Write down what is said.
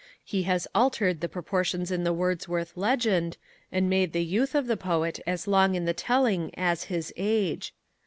He has altered the proportions in the Wordsworth legend, and made the youth of the poet as long in the telling as his age.